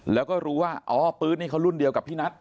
แล้วก็รู้ว่าอ๋อปื๊ดนี่เขารุ่นเดียวกับพี่นัท